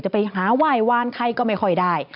จะไปหาว่ายวานใครก็ไม่ค่อยได้